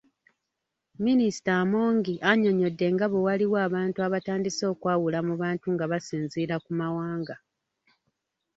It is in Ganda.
Minisita Amongi annyonnyodde nga bwewaliwo abantu abatandise okwawula mu bantu nga basinziira ku mawanga.